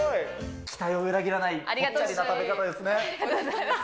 期待を裏切らないぽっちゃりな食べ方ですね。